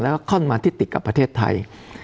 แล้วก็ค่อนมาที่ติดกับประเทศไทย